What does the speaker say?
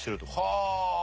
はあ！